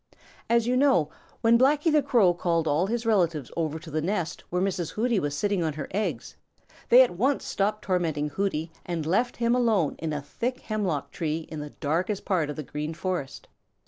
As you know, when Blacky the Crow called all his relatives over to the nest where Mrs. Hooty was sitting on her eggs, they at once stopped tormenting Hooty and left him alone in a thick hemlock tree in the darkest part of the Green Forest.